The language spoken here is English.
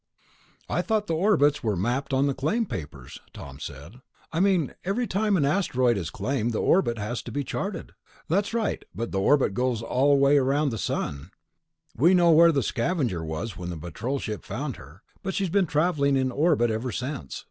"I thought the orbits were mapped on the claim papers," Tom said. "I mean, every time an asteroid is claimed, the orbit has to be charted...." "That's right, but the orbit goes all the way around the sun. We know where the Scavenger was when the Patrol ship found her ... but she's been travelling in orbit ever since.